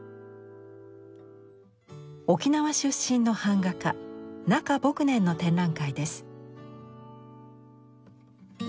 沖縄出身の版画家名嘉ボクネンの展覧会です。